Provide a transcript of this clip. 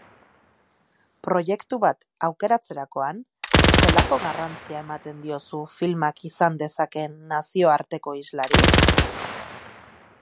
Proiektu bat aukeratzerakoan, zelako garrantzia ematen diozu filmak izan dezakeen nazioarteko islari?